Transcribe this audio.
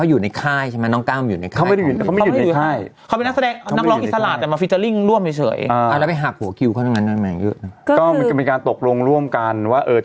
อู๋เฉยว่าต้องอยู่กันหลายคนล่ะแม่